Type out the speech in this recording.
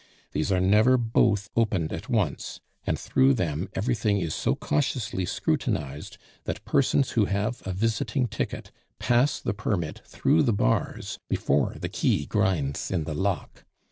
These are never both opened at once, and through them everything is so cautiously scrutinized that persons who have a visiting ticket pass the permit through the bars before the key grinds in the lock.